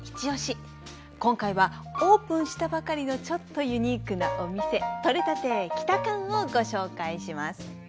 今回はオープンしたばかりのちょっとユニークなお店「撮れた亭キタカン」をご紹介します。